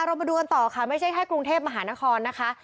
เรามาดูกันต่อค่ะไม่ใช่แค่กรุงเทพมหานครนะคะ